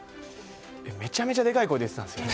めちゃめちゃでかい声で言っていたんですよ。